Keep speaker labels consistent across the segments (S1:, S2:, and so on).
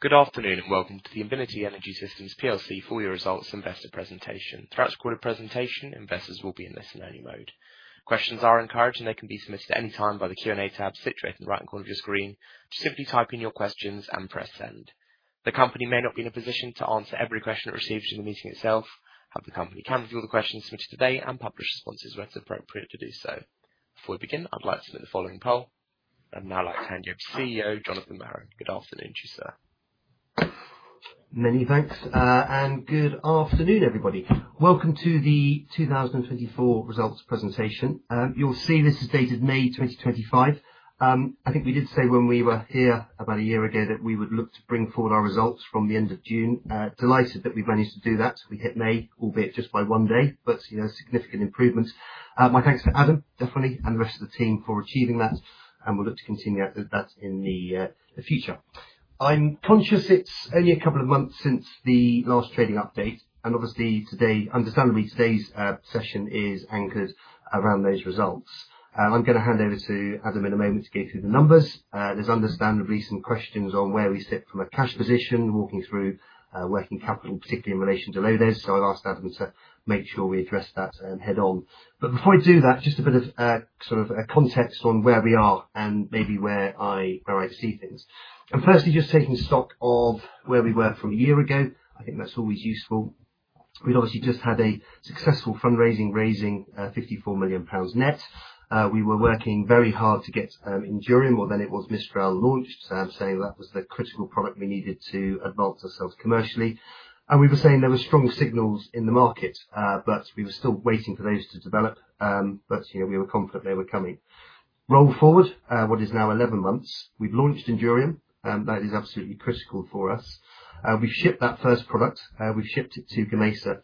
S1: Good afternoon and welcome to the Invinity Energy Systems PLC full year results investor presentation. Throughout the quarter presentation, investors will be in listen only mode. Questions are encouraged and they can be submitted at any time by the Q&A tab situated in the right-hand corner of your screen. Just simply type in your questions and press send. The company may not be in a position to answer every question it receives during the meeting itself, but the company can review all the questions submitted today and publish responses where it's appropriate to do so. Before we begin, I'd like to submit the following poll. I'd now like to hand you over to CEO, Jonathan Marren. Good afternoon to you, sir.
S2: Many thanks, and good afternoon, everybody. Welcome to the 2024 results presentation. You'll see this is dated May 2025. I think we did say when we were here about a year ago that we would look to bring forward our results from the end of June. Delighted that we've managed to do that. We hit May, albeit just by one day, but significant improvement. My thanks to Adam, Stephanie, and the rest of the team for achieving that, and we'll look to continue at that in the future. I'm conscious it's only a couple of months since the last trading update, and obviously today, understandably, today's session is anchored around those results. I'm going to hand over to Adam in a moment to go through the numbers. There's understandably some questions on where we sit from a cash position, walking through working capital, particularly in relation to LODES. I'll ask Adam to make sure we address that head on. Before I do that, just a bit of a context on where we are and maybe where I see things. Firstly, just taking stock of where we were from a year ago, I think that's always useful. We'd obviously just had a successful fundraising, raising 54 million pounds net. We were working very hard to get ENDURIUM, well then it was Mistral, launched. I'm saying that was the critical product we needed to advance ourselves commercially. We were saying there were strong signals in the market, but we were still waiting for those to develop. We were confident they were coming. Roll forward, what is now 11 months, we've launched ENDURIUM, and that is absolutely critical for us. We've shipped that first product. We've shipped it to Gamesa,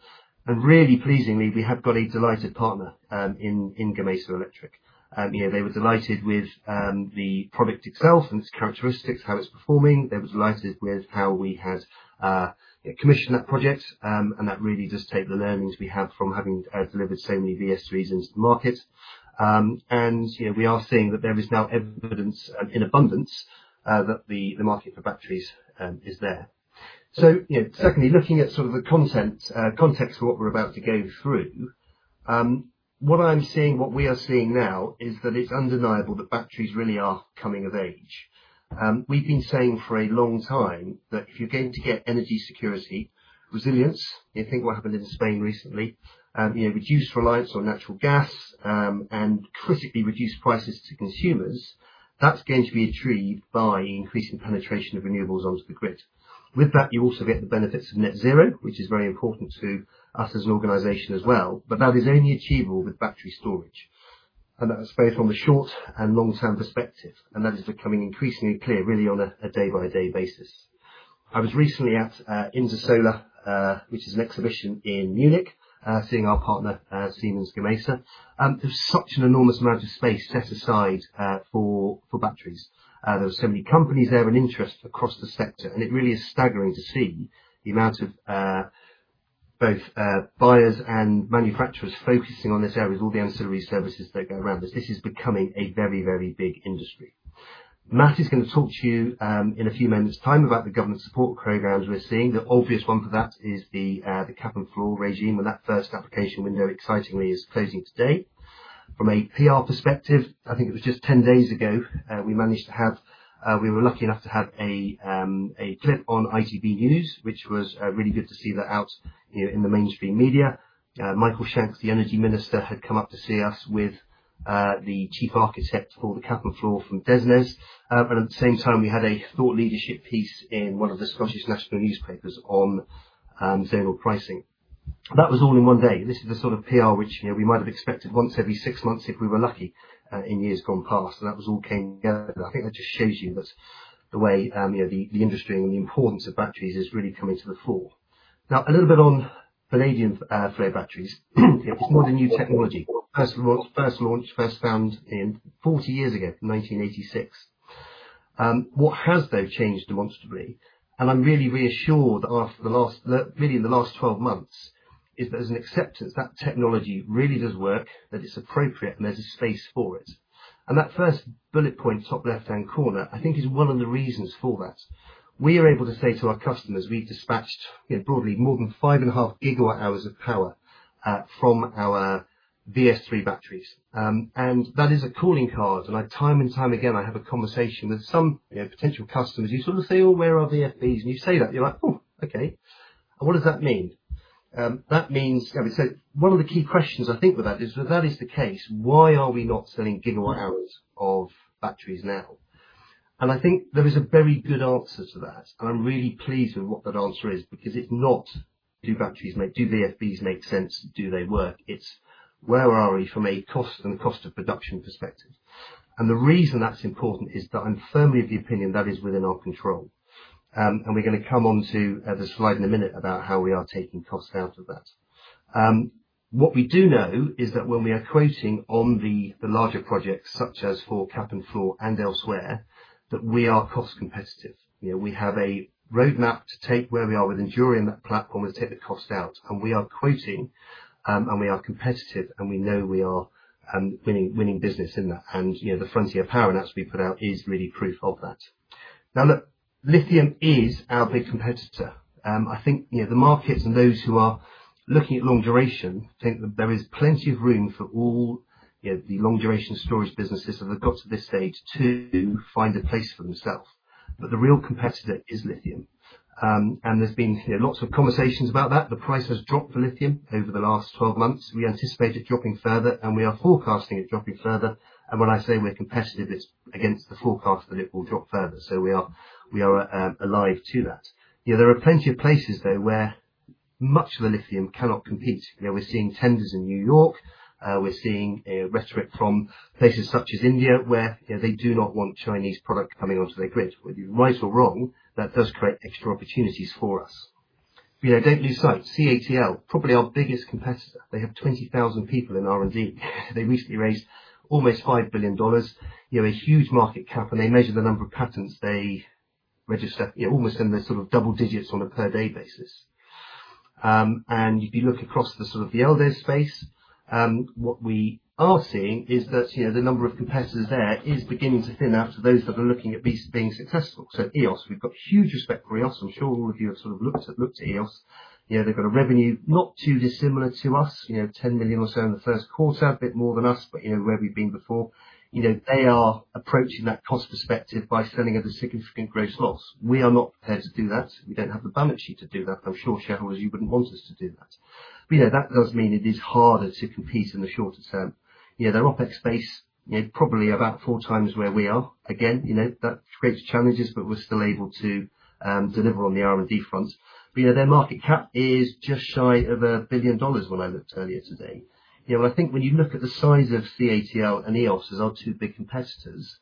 S2: and really pleasingly, we have got a delighted partner, in Gamesa Electric. They were delighted with the product itself and its characteristics, how it's performing. They were delighted with how we had commissioned that project, and that really does take the learnings we have from having delivered so many VS3s into the market. We are seeing that there is now evidence in abundance that the market for batteries is there. Secondly, looking at sort of the context of what we're about to go through, what I'm seeing, what we are seeing now is that it's undeniable that batteries really are coming of age. We've been saying for a long time that if you're going to get energy security, resilience, you think what happened in Spain recently, reduced reliance on natural gas, and critically reduced prices to consumers, that's going to be achieved by increasing penetration of renewables onto the grid. With that, you also get the benefits of net zero, which is very important to us as an organization as well. That is only achievable with battery storage, and that is both on the short and long-term perspective, and that is becoming increasingly clear really on a day-by-day basis. I was recently at Intersolar, which is an exhibition in Munich, seeing our partner, Siemens Gamesa. There was such an enormous amount of space set aside for batteries. There were so many companies there and interest across the sector, it really is staggering to see the amount of both buyers and manufacturers focusing on this area with all the ancillary services that go around this. This is becoming a very, very big industry. Matt is going to talk to you in a few moments' time about the government support programs we're seeing. The obvious one for that is the Cap and Floor regime, and that first application window excitingly is closing today. From a PR perspective, I think it was just 10 days ago, we were lucky enough to have a clip on ITV News, which was really good to see that out in the mainstream media. Michael Shanks, the energy minister, had come up to see us with the chief architect for the Cap and Floor from DESNZ. At the same time, we had a thought leadership piece in one of the Scottish national newspapers on zero pricing. That was all in one day. This is the sort of PR which we might have expected once every six months if we were lucky in years gone past, and that was all came together. I think that just shows you that the way the industry and the importance of batteries is really coming to the fore. Now, a little bit on vanadium flow batteries. It's not a new technology. First launched, first found in 40 years ago, 1986. What has, though, changed demonstrably, and I'm really reassured that really in the last 12 months, is there's an acceptance that technology really does work, that it's appropriate, and there's a space for it. That first bullet point, top left-hand corner, I think is one of the reasons for that. We are able to say to our customers we've dispatched broadly more than five and a half gigawatt hours of power from our VS3 batteries. That is a calling card and time and time again, I have a conversation with some potential customers. You sort of say, "Oh, where are VFBs?" You say that, you're like, "Oh, okay. What does that mean?" That means, as we said, one of the key questions I think with that is, if that is the case, why are we not selling gigawatt hours of batteries now? I think there is a very good answer to that, and I'm really pleased with what that answer is because it's not do VFBs make sense? Do they work? It's where are we from a cost and cost of production perspective. The reason that's important is that I'm firmly of the opinion that is within our control. We're going to come onto the slide in a minute about how we are taking cost out of that. What we do know is that when we are quoting on the larger projects such as for Cap and Floor and elsewhere, that we are cost competitive. We have a roadmap to take where we are with ENDURIUM, that platform will take the cost out, and we are quoting, and we are competitive, and we know we are winning business in that. The Frontier Power announcement we put out is really proof of that. Look, lithium is our big competitor. I think the markets and those who are looking at long-duration think that there is plenty of room for all the long-duration storage businesses that have got to this stage to find a place for themselves. The real competitor is lithium. There's been lots of conversations about that. The price has dropped for lithium over the last 12 months. We anticipate it dropping further, we are forecasting it dropping further. When I say we're competitive, it's against the forecast that it will drop further. We are alive to that. There are plenty of places, though, where much of the lithium cannot compete. We're seeing tenders in New York. We're seeing a rhetoric from places such as India, where they do not want Chinese product coming onto their grid. Whether you're right or wrong, that does create extra opportunities for us. Don't lose sight, CATL, probably our biggest competitor, they have 20,000 people in R&D. They recently raised almost $5 billion, a huge market cap, they measure the number of patents they register, almost in the double digits on a per day basis. If you look across the sort of the LDES space, what we are seeing is that the number of competitors there is beginning to thin out to those that are looking at being successful. Eos, we've got huge respect for Eos. I'm sure all of you have looked at Eos. They've got a revenue not too dissimilar to us, 10 million or so in the first quarter, a bit more than us, but where we've been before. They are approaching that cost perspective by selling at a significant gross loss. We are not prepared to do that. We don't have the balance sheet to do that, I'm sure, shareholders, you wouldn't want us to do that. That does mean it is harder to compete in the shorter term. Their OpEx space, probably about four times where we are. Again, that creates challenges, we're still able to deliver on the R&D front. Their market cap is just shy of a GBP 1 billion when I looked earlier today. I think when you look at the size of CATL and Eos as our two big competitors,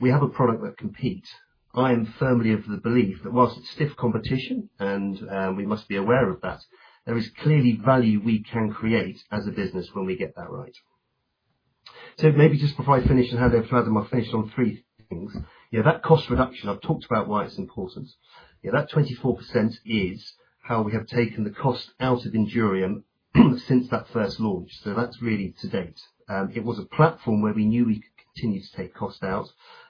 S2: we have a product that competes. I am firmly of the belief that whilst it's stiff competition and we must be aware of that, there is clearly value we can create as a business when we get that right. Maybe just before I finish and hand over to Adam, I'll finish on three things. That cost reduction, I've talked about why it's important. That 24% is how we have taken the cost out of ENDURIUM since that first launch. That is really to date. It was a platform where we knew we could continue to take cost out,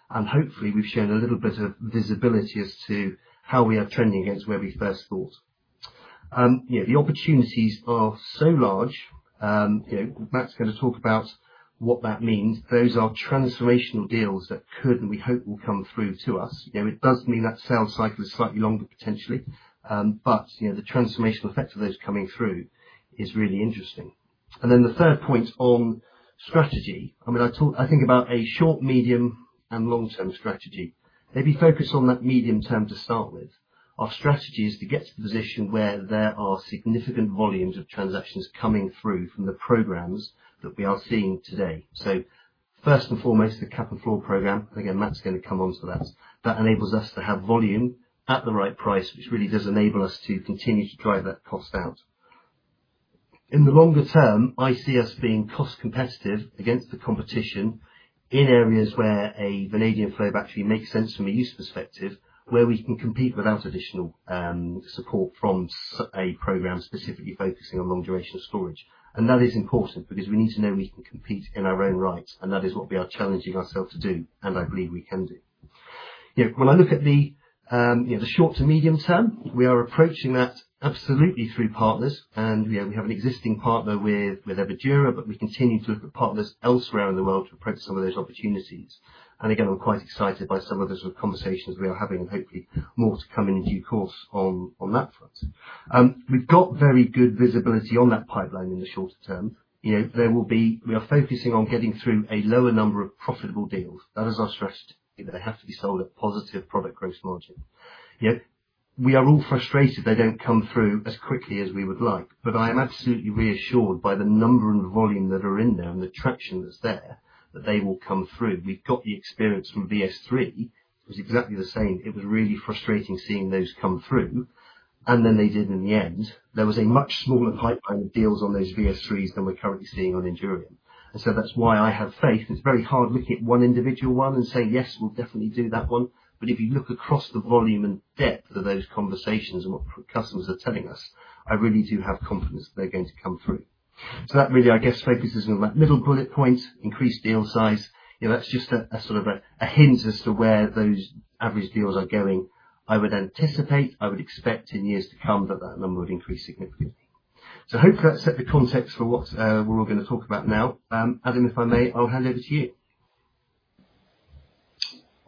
S2: and hopefully we have shown a little bit of visibility as to how we are trending against where we first thought. The opportunities are so large. Matt's going to talk about what that means. Those are transformational deals that could, and we hope will come through to us. It does mean that sales cycle is slightly longer, potentially. But the transformational effect of those coming through is really interesting. The third point on strategy. I think about a short, medium, and long-term strategy. Focus on that medium-term to start with. Our strategy is to get to the position where there are significant volumes of transactions coming through from the programs that we are seeing today. First and foremost, the Cap and Floor program, again, Matt's going to come onto that. That enables us to have volume at the right price, which really does enable us to continue to drive that cost out. In the longer term, I see us being cost competitive against the competition in areas where a vanadium flow battery makes sense from a use perspective, where we can compete without additional support from a program specifically focusing on long-duration storage. That is important because we need to know we can compete in our own right, and that is what we are challenging ourselves to do, and I believe we can do. When I look at the short to medium term, we are approaching that absolutely through partners, and we have an existing partner with Everdura, but we continue to look at partners elsewhere in the world to approach some of those opportunities. Again, we are quite excited by some of those conversations we are having and hopefully more to come in due course on that front. We have got very good visibility on that pipeline in the shorter term. We are focusing on getting through a lower number of profitable deals. That is our strategy. They have to be sold at positive product gross margin. We are all frustrated they do not come through as quickly as we would like. But I am absolutely reassured by the number and volume that are in there and the traction that is there, that they will come through. We have got the experience from VS3. It was exactly the same. It was really frustrating seeing those come through. Then they did in the end. There was a much smaller pipeline of deals on those VS3s than we are currently seeing on ENDURIUM. That is why I have faith, and it is very hard looking at one individual one and saying, "Yes, we will definitely do that one" but if you look across the volume and depth of those conversations and what customers are telling us, I really do have confidence that they are going to come through. That really, I guess, focuses on that middle bullet point, increased deal size. That is just a hint as to where those average deals are going. I would anticipate, I would expect in years to come that that number would increase significantly. Hopefully that set the context for what we are all going to talk about now. Adam, if I may, I'll hand over to you.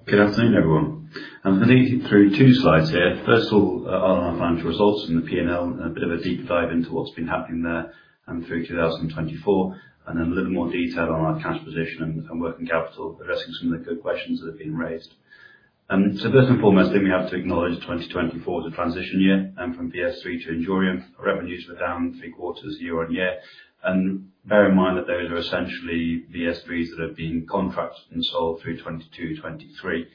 S3: Good afternoon, everyone. I am going to lead you through two slides here. First of all, on our financial results and the P&L and a bit of a deep dive into what has been happening there through 2024, then a little more detail on our cash position and working capital, addressing some of the good questions that have been raised. First and foremost thing, we have to acknowledge 2024 as a transition year from VS3 to ENDURIUM. Revenues were down three-quarters year-on-year. Bear in mind that those are essentially VS3s that have been contracted and sold through 2022, 2023. You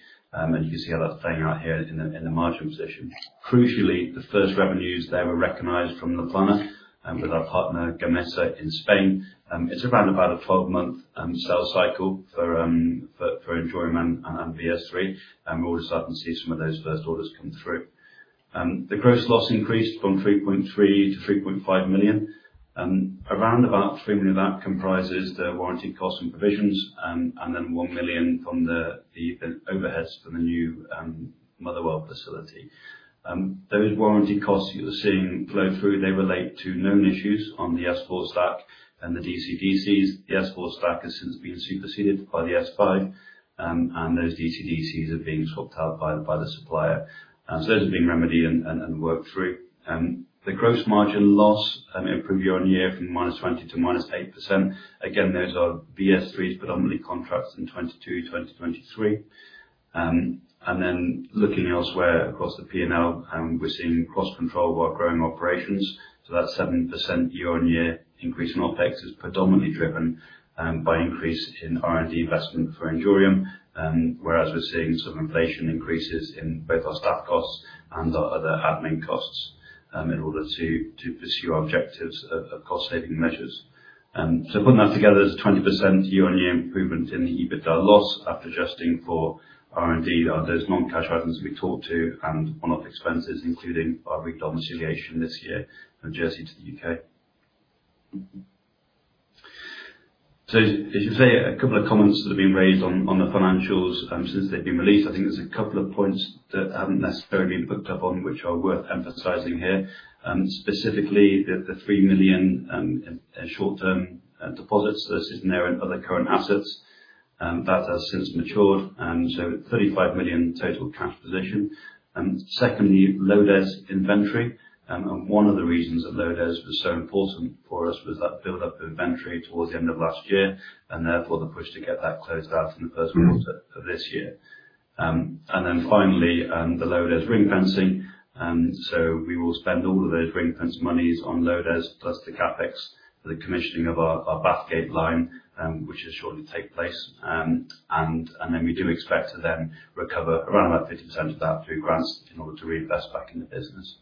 S3: can see how that is playing out here in the margin position. Crucially, the first revenues there were recognized from La Plana with our partner Gamesa in Spain. It is around about a 12-month sell cycle for ENDURIUM and VS3, we are all of a sudden seeing some of those first orders come through. The gross loss increased from 3.3 million to 3.5 million. Around about 3 million of that comprises the warranty costs and provisions, then 1 million from the overheads from the new Motherwell facility. Those warranty costs you are seeing flow through relate to known issues on the S4 stack and the DC-DCs. The S4 stack has since been superseded by the S5, and those DC-DCs are being swapped out by the supplier. Those have been remedied and worked through. The gross margin loss improved year-on-year from -20% to -8%. Again, those are VS3s, but only contracts in 2022, 2023. Then looking elsewhere across the P&L, we are seeing costs control while growing operations. That 7% year-on-year increase in OpEx is predominantly driven by increase in R&D investment for ENDURIUM, whereas we are seeing some inflation increases in both our staff costs and our other admin costs in order to pursue our objectives of cost saving measures. Putting that together is 20% year-on-year improvement in the EBITDA loss after adjusting for R&D, those non-cash items we talked to, and one-off expenses, including our big domiciliation this year from Jersey to the U.K. If you say a couple of comments that have been raised on the financials since they have been released, I think there is a couple of points that have not necessarily been picked up on which are worth emphasizing here. Specifically, the 3 million in short-term deposits versus now in other current assets, that has since matured, and so 35 million total cash position. Secondly, LODES inventory. One of the reasons that LODES was so important for us was that buildup of inventory towards the end of last year, therefore the push to get that closed out in the first quarter of this year. Finally, the LODES ring-fencing. We will spend all of those ring-fence monies on LODES plus the CapEx for the commissioning of our Bathgate line, which will shortly take place. We do expect to then recover around about 50% of that through grants in order to reinvest back in the business.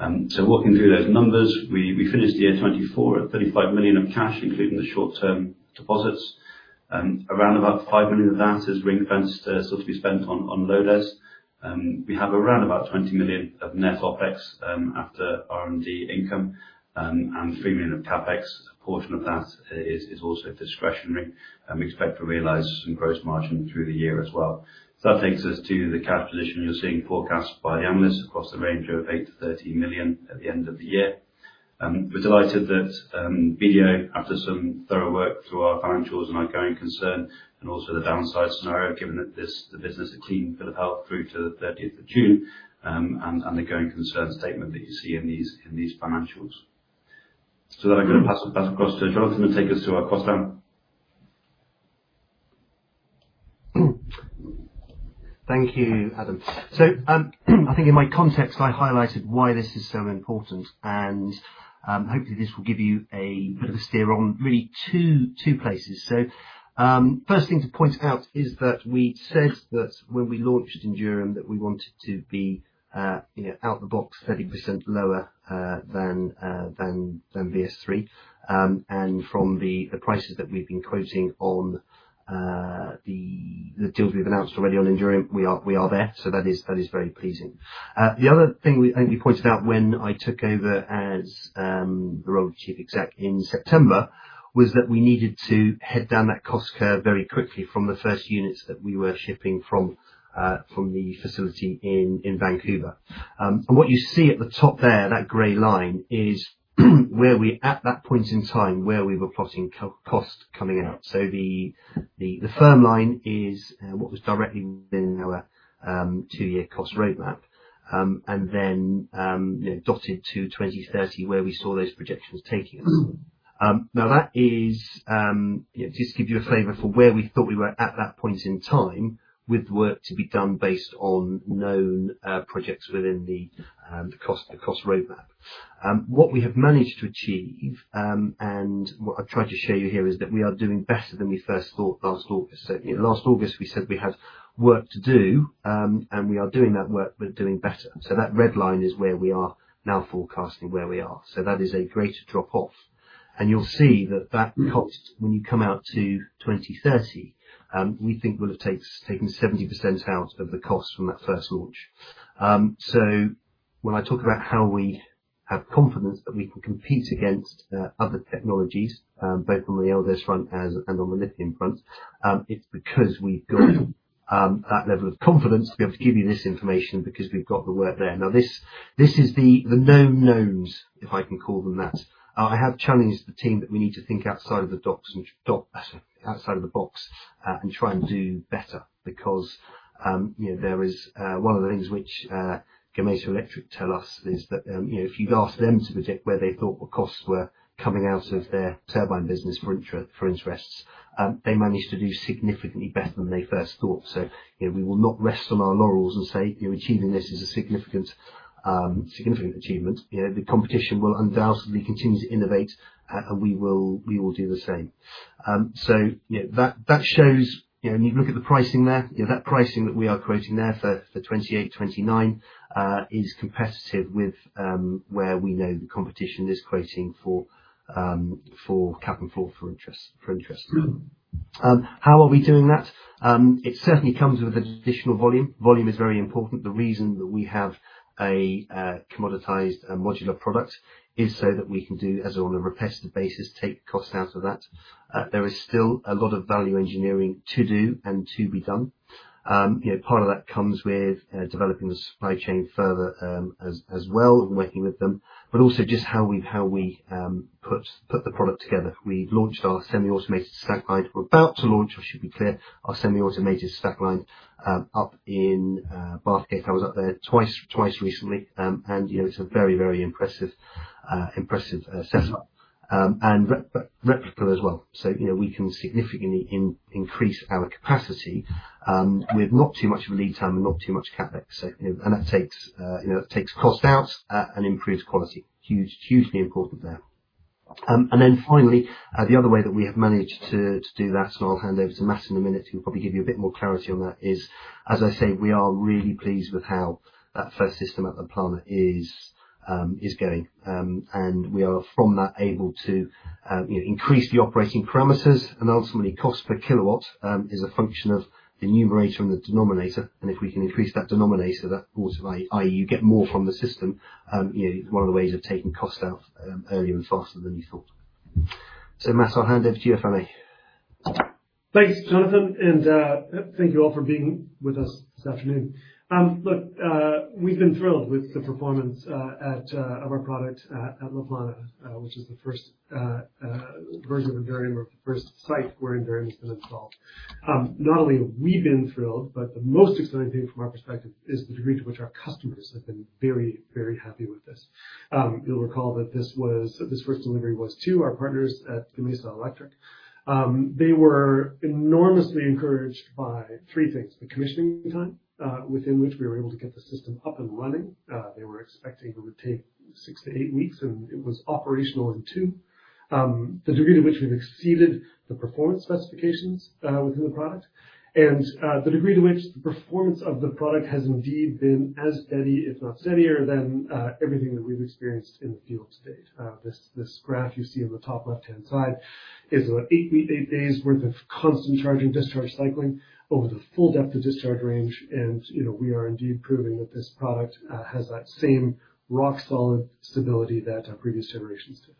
S3: Walking through those numbers, we finished year 2024 at 35 million of cash, including the short-term deposits. Around about 5 million of that is ring-fenced to still to be spent on LODES. We have around about 20 million of net OpEx after R&D income and 3 million of CapEx. A portion of that is also discretionary. We expect to realize some gross margin through the year as well. That takes us to the cash position you're seeing forecast by the analysts across the range of 8 million-13 million at the end of the year. We're delighted that BDO, after some thorough work through our financials and our going concern, and also the downside scenario, given that the business is clean for the path through to the 30th of June, and the going concern statement that you see in these financials. With that, I'm going to pass across to Jonathan to take us through our cost down.
S2: Thank you, Adam. I think in my context, I highlighted why this is so important, and hopefully this will give you a bit of a steer on really two places. First thing to point out is that we said that when we launched ENDURIUM, that we wanted to be out the box 30% lower than VS3. From the prices that we've been quoting on the deals we've announced already on ENDURIUM, we are there. That is very pleasing. The other thing we only pointed out when I took over as the role of chief exec in September was that we needed to head down that cost curve very quickly from the first units that we were shipping from the facility in Vancouver. What you see at the top there, that gray line, is where we at that point in time where we were plotting cost coming out. The firm line is what was directly within our two-year cost roadmap and then dotted to 2030 where we saw those projections taking us. That is just to give you a flavor for where we thought we were at that point in time with work to be done based on known projects within the cost roadmap. We have managed to achieve and what I've tried to show you here is that we are doing better than we first thought last August. Last August, we said we had work to do, and we are doing that work. We're doing better. That red line is where we are now forecasting where we are. That is a greater drop off. You'll see that that cost when you come out to 2030, we think will have taken 70% out of the cost from that first launch. When I talk about how we have confidence that we can compete against other technologies, both on the LODES front and on the lithium front, it's because we've got that level of confidence to be able to give you this information because we've got the work there. This is the known knowns, if I can call them that. I have challenged the team that we need to think outside of the box and try and do better because one of the things which Gamesa Electric tell us is that if you'd asked them to predict where they thought the costs were coming out of their turbine business for interest, they managed to do significantly better than they first thought. We will not rest on our laurels and say achieving this is a significant achievement. The competition will undoubtedly continue to innovate, and we will do the same. That shows when you look at the pricing there, that pricing that we are quoting there for 2028, 2029 is competitive with where we know the competition is quoting for Cap and Floor. How are we doing that? It certainly comes with additional volume. Volume is very important. The reason that we have a commoditized and modular product is so that we can do, as on a repetitive basis, take cost out of that. There is still a lot of value engineering to do and to be done. Part of that comes with developing the supply chain further as well and working with them, but also just how we put the product together. We launched our semi-automated stack line. We're about to launch, I should be clear, our semi-automated stack line up in Bathgate. I was up there twice recently, and it's a very impressive setup, and replicable as well. We can significantly increase our capacity with not too much of a lead time and not too much CapEx. That takes cost out and improves quality. Hugely important there. Then finally, the other way that we have managed to do that, and I'll hand over to Matt in a minute who can probably give you a bit more clarity on that, is, as I say, we are really pleased with how that first system at La Plana is going. We are, from that, able to increase the operating parameters and ultimately cost per kilowatt as a function of the numerator and the denominator. If we can increase that denominator, that ultimately, i.e. you get more from the system, one of the ways of taking cost out earlier and faster than you thought. Matt, I'll hand over to you if I may.
S4: Thanks, Jonathan, and thank you all for being with us this afternoon. Look, we've been thrilled with the performance of our product at La Plana, which is the first version of ENDURIUM or the first site where ENDURIUM has been installed. Not only have we been thrilled, but the most exciting thing from our perspective is the degree to which our customers have been very happy with this. You'll recall that this first delivery was to our partners at Gamesa Electric. They were enormously encouraged by three things. The commissioning time, within which we were able to get the system up and running. They were expecting it would take six to eight weeks, and it was operational in two. The degree to which we've exceeded the performance specifications within the product, the degree to which the performance of the product has indeed been as steady, if not steadier, than everything that we've experienced in the field to date. This graph you see on the top left-hand side is eight days worth of constant charge and discharge cycling over the full depth of discharge range, and we are indeed proving that this product has that same rock solid stability that our previous generations did.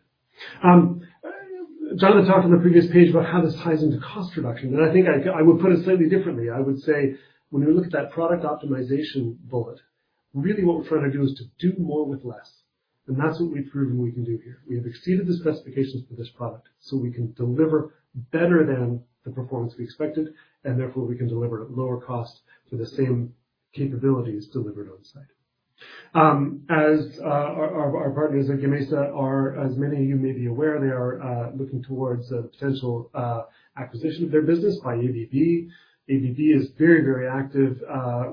S4: Jonathan talked on the previous page about how this ties into cost reduction. I think I would put it slightly differently. I would say, when we look at that product optimization bullet, really what we're trying to do is to do more with less, that's what we've proven we can do here. We have exceeded the specifications for this product, we can deliver better than the performance we expected, and therefore we can deliver at lower cost for the same capabilities delivered on site. As our partners at Gamesa are, as many of you may be aware, they are looking towards a potential acquisition of their business by ABB. ABB is very active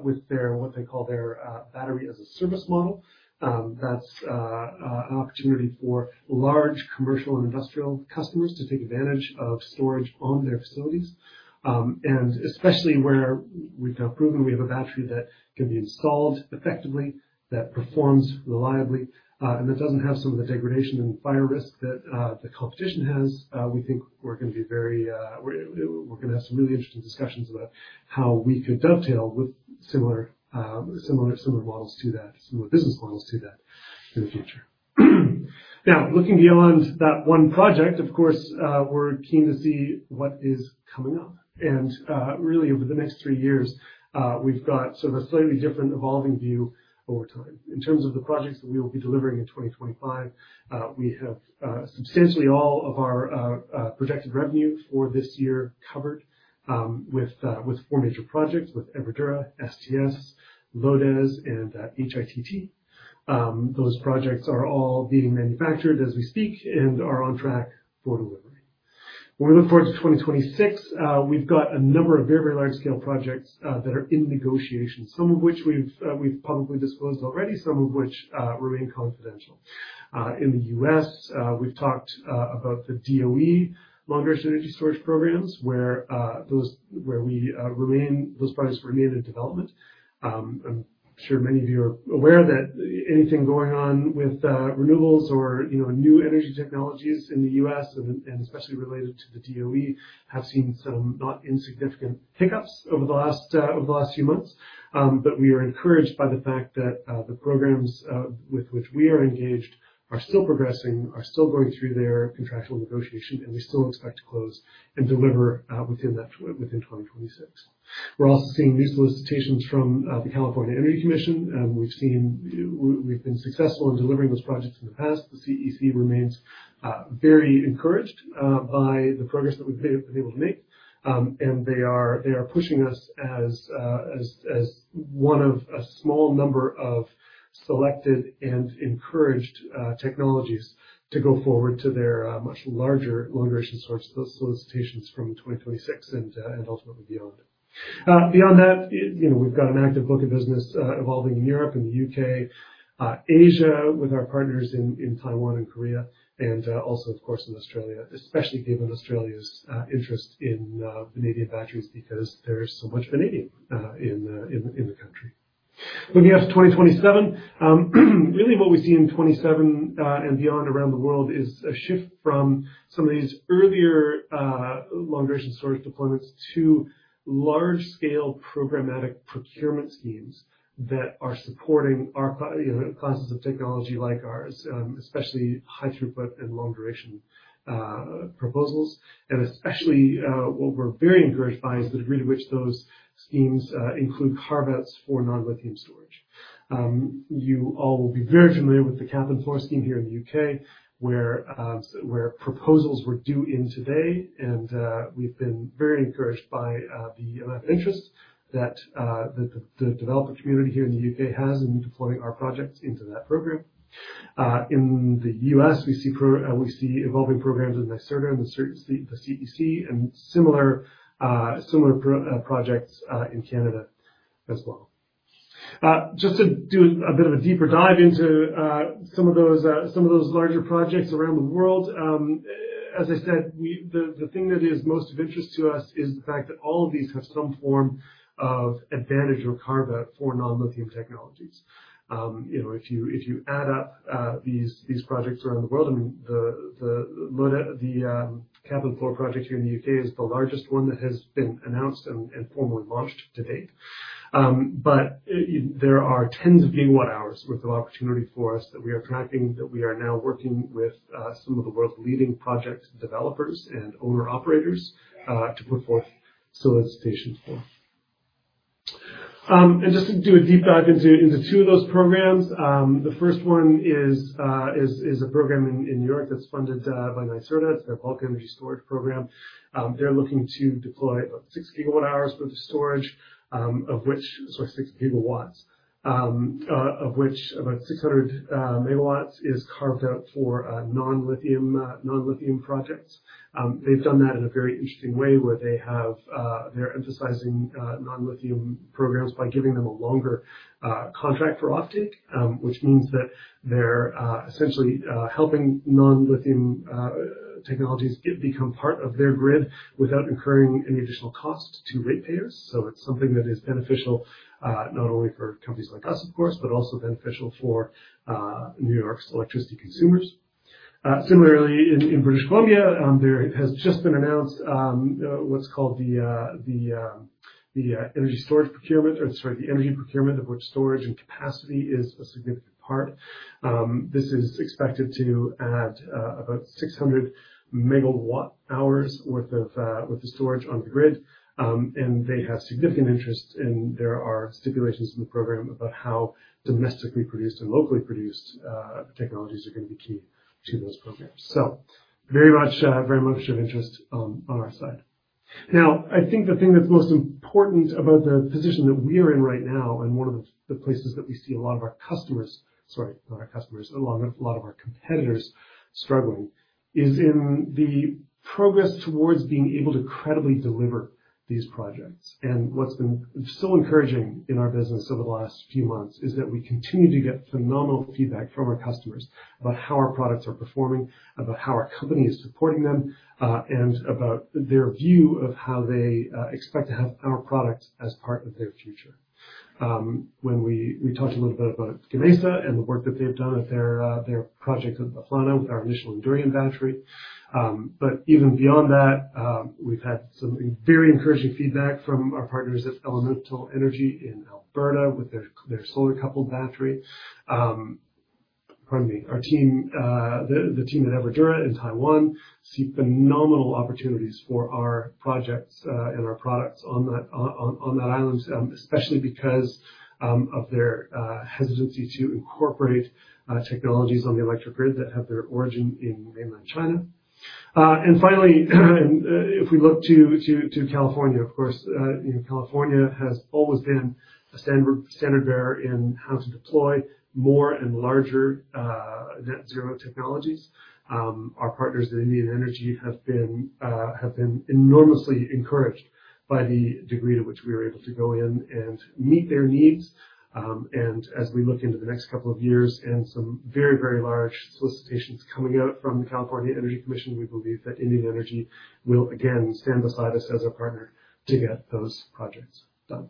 S4: with what they call their Battery-as-a-Service model. That's an opportunity for large commercial and industrial customers to take advantage of storage on their facilities. Especially where we have proven we have a battery that can be installed effectively, that performs reliably, and that doesn't have some of the degradation and fire risk that the competition has. We think we're going to have some really interesting discussions about how we could dovetail with similar business models to that in the future. Looking beyond that one project, of course, we're keen to see what is coming up. Really over the next three years, we've got a slightly different evolving view over time. In terms of the projects that we will be delivering in 2025, we have substantially all of our projected revenue for this year covered, with four major projects, with Everdura, STS, LODES, and HITT. Those projects are all being manufactured as we speak and are on track for delivery. When we look forward to 2026, we've got a number of very large-scale projects that are in negotiation, some of which we've publicly disclosed already, some of which remain confidential. In the U.S., we've talked about the DOE long-duration energy storage programs, where those projects remain in development. I'm sure many of you are aware that anything going on with renewables or new energy technologies in the U.S., and especially related to the DOE, have seen some not insignificant hiccups over the last few months. We are encouraged by the fact that the programs with which we are engaged are still progressing, are still going through their contractual negotiation, and we still expect to close and deliver within 2026. We are also seeing new solicitations from the California Energy Commission, and we've been successful in delivering those projects in the past. The CEC remains very encouraged by the progress that we've been able to make. They are pushing us as one of a small number of selected and encouraged technologies to go forward to their much larger long-duration storage solicitations from 2026 and ultimately beyond. Beyond that, we've got an active book of business evolving in Europe and the U.K., Asia, with our partners in Taiwan and Korea, and also, of course, in Australia, especially given Australia's interest in vanadium batteries because there is so much vanadium in the country. When you ask 2027, really what we see in 2027, and beyond around the world, is a shift from some of these earlier, long-duration storage deployments to large-scale programmatic procurement schemes that are supporting classes of technology like ours, especially high throughput and long duration proposals. Especially, what we're very encouraged by is the degree to which those schemes include carve-outs for non-lithium storage. You all will be very familiar with the Cap and Floor scheme here in the U.K., where proposals were due in today, and we've been very encouraged by the amount of interest that the developer community here in the U.K. has in deploying our projects into that program. In the U.S. we see evolving programs with NYSERDA and the CEC and similar projects in Canada as well. Just to do a bit of a deeper dive into some of those larger projects around the world. As I said, the thing that is most of interest to us is the fact that all of these have some form of advantage or carve-out for non-lithium technologies. If you add up these projects around the world, the Cap and Floor project here in the U.K. is the largest one that has been announced and formally launched to date. There are tens of gigawatt hours worth of opportunity for us that we are tracking, that we are now working with some of the world's leading project developers and owner-operators to put forth solicitations for. Just to do a deep dive into two of those programs. The first one is a program in New York that's funded by NYSERDA. It's their bulk energy storage program. They're looking to deploy about 6 gigawatt hours worth of storage, sorry, 6 gigawatts, of which about 600 megawatts is carved out for non-lithium projects. They've done that in a very interesting way, where they're emphasizing non-lithium programs by giving them a longer contract for offtake, which means that they're essentially helping non-lithium technologies become part of their grid without incurring any additional cost to ratepayers. It's something that is beneficial, not only for companies like us, of course, but also beneficial for New York's electricity consumers. Similarly, in British Columbia, there has just been announced, what's called the energy storage procurement, or sorry, the energy procurement of which storage and capacity is a significant part. This is expected to add about 600 MWh worth of storage on the grid. They have significant interest, and there are stipulations in the program about how domestically produced and locally produced technologies are going to be key to those programs. Very much of interest on our side. I think the thing that's most important about the position that we are in right now, and one of the places that we see a lot of our customers, sorry, not our customers, a lot of our competitors struggling, is in the progress towards being able to credibly deliver these projects. What's been so encouraging in our business over the last few months is that we continue to get phenomenal feedback from our customers about how our products are performing, about how our company is supporting them, and about their view of how they expect to have our products as part of their future. We talked a little bit about Gamesa and the work that they've done at their project at Athona with our initial ENDURIUM battery. Even beyond that, we've had some very encouraging feedback from our partners at Elemental Energy in Alberta with their solar-coupled battery. Pardon me. The team at Everdura in Taiwan see phenomenal opportunities for our projects, and our products on that island, especially because of their hesitancy to incorporate technologies on the electric grid that have their origin in mainland China. Finally, if we look to California, of course, California has always been a standard-bearer in how to deploy more and larger net-zero technologies. Our partners at Indian Energy have been enormously encouraged by the degree to which we are able to go in and meet their needs. As we look into the next couple of years and some very large solicitations coming out from the California Energy Commission, we believe that Indian Energy will again stand beside us as a partner to get those projects done.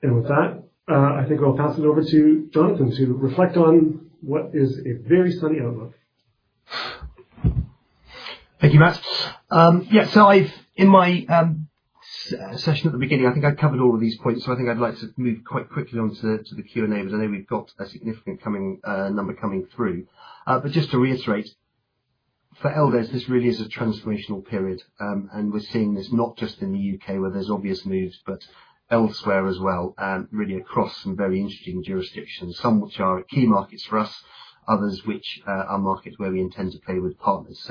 S4: With that, I think I'll pass it over to Jonathan to reflect on what is a very sunny outlook.
S2: Thank you, Matt. I think I covered all of these points. I think I'd like to move quite quickly on to the Q&A because I know we've got a significant number coming through. Just to reiterate, for LDES, this really is a transformational period. We're seeing this not just in the U.K. where there's obvious moves, but elsewhere as well, really across some very interesting jurisdictions. Some which are key markets for us, others which are markets where we intend to play with partners.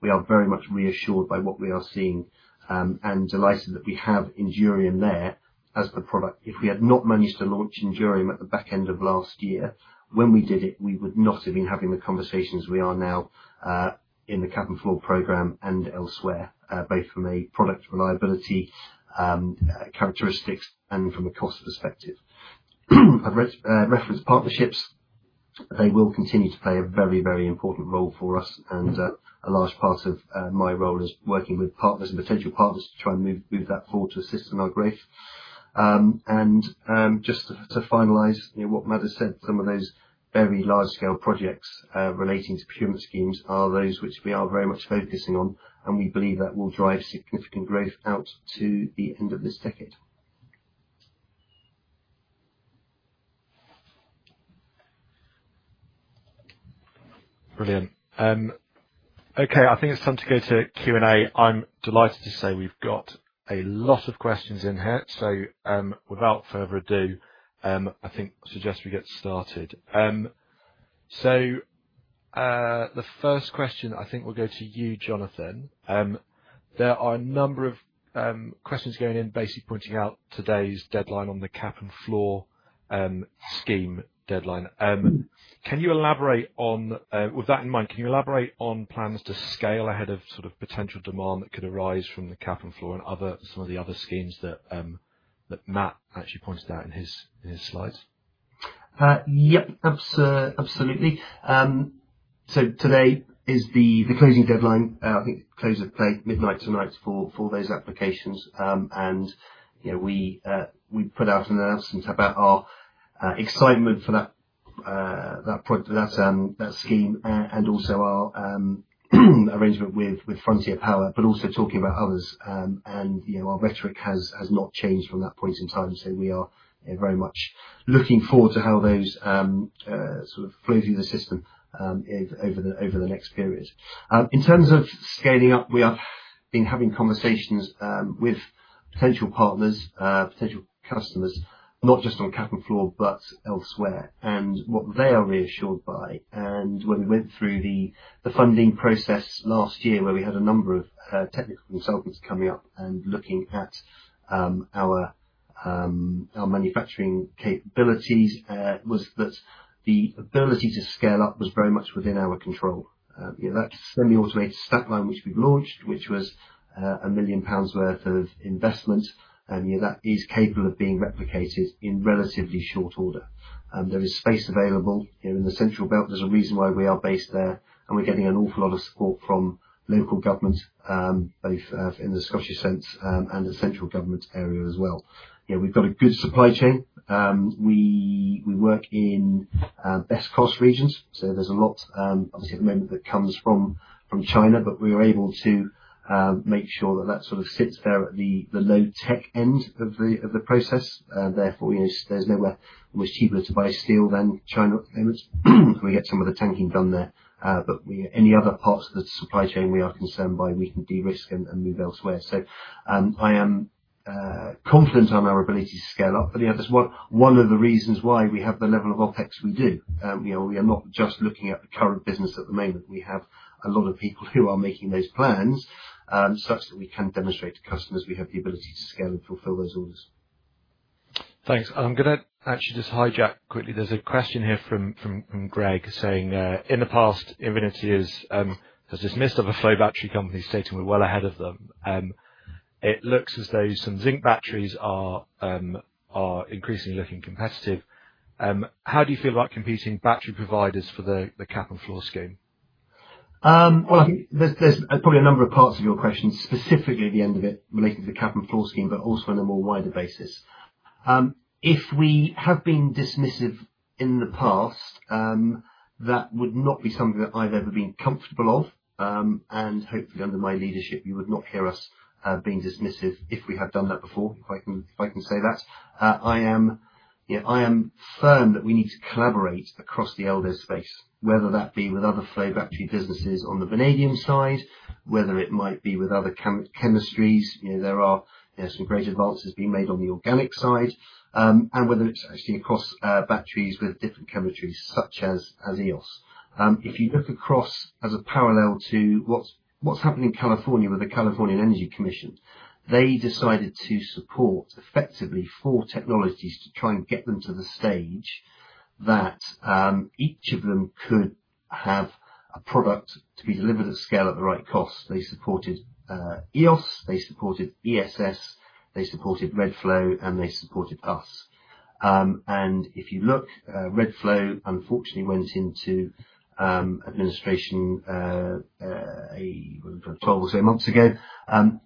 S2: We are very much reassured by what we are seeing, and delighted that we have ENDURIUM there as the product. If we had not managed to launch ENDURIUM at the back end of last year, when we did it, we would not have been having the conversations we are now in the Cap and Floor program and elsewhere, both from a product reliability characteristics and from a cost perspective. I've referenced partnerships. They will continue to play a very important role for us and a large part of my role is working with partners and potential partners to try and move that forward to assist in our growth. Just to finalize what Matt has said, some of those very large-scale projects relating to payment schemes are those which we are very much focusing on, and we believe that will drive significant growth out to the end of this decade.
S5: Brilliant. Okay, I think it's time to go to Q&A. I'm delighted to say we've got a lot of questions in here. Without further ado, I think suggest we get started. The first question, I think will go to you, Jonathan. There are a number of questions going in basically pointing out today's deadline on the Cap and Floor scheme deadline. With that in mind, can you elaborate on plans to scale ahead of potential demand that could arise from the Cap and Floor and some of the other schemes that Matt actually pointed out in his slides?
S2: Yep, absolutely. Today is the closing deadline. I think close of play midnight tonight for those applications. We put out an announcement about our excitement for that scheme and also our arrangement with Frontier Power, but also talking about others. Our rhetoric has not changed from that point in time. We are very much looking forward to how those flow through the system over the next period. In terms of scaling up, we have been having conversations with potential partners, potential customers, not just on Cap and Floor, but elsewhere, and what they are reassured by. When we went through the funding process last year, where we had a number of technical consultants coming up and looking at our manufacturing capabilities was that the ability to scale up was very much within our control. That semi-automated stack line, which we've launched, which was 1 million pounds worth of investment. That is capable of being replicated in relatively short order. There is space available in the central belt. There's a reason why we are based there. We're getting an awful lot of support from local government, both in the Scottish sense, and the central government area as well. We've got a good supply chain. We work in best cost regions. There's a lot, obviously, at the moment that comes from China. We are able to make sure that that sits there at the low-tech end of the process. Therefore, there's nowhere much cheaper to buy steel than China at the moment. We get some of the tanking done there. Any other parts of the supply chain, we are concerned by, we can de-risk and move elsewhere. I am confident on our ability to scale up. Yeah, that's one of the reasons why we have the level of OpEx we do. We are not just looking at the current business at the moment. We have a lot of people who are making those plans, such that we can demonstrate to customers we have the ability to scale and fulfill those orders.
S5: Thanks. I'm gonna actually just hijack quickly. There's a question here from Greg saying, in the past, Invinity has dismissed other flow battery companies, stating, "We're well ahead of them." It looks as though some zinc batteries are increasingly looking competitive. How do you feel about competing battery providers for the Cap and Floor scheme?
S2: I think there's probably a number of parts of your question, specifically at the end of it relating to the Cap and Floor scheme, also on a more wider basis. If we have been dismissive in the past, that would not be something that I've ever been comfortable of. Hopefully under my leadership, you would not hear us being dismissive if we have done that before, if I can say that. I am firm that we need to collaborate across the LDES space, whether that be with other flow battery businesses on the vanadium side, whether it might be with other chemistries. There are some great advances being made on the organic side. Whether it's actually across batteries with different chemistries such as Eos. If you look across as a parallel to what's happening in California with the California Energy Commission, they decided to support effectively 4 technologies to try and get them to the stage that each of them could have a product to be delivered at scale at the right cost. They supported Eos, they supported ESS, they supported Redflow, and they supported us. Redflow unfortunately went into administration 12 or so months ago.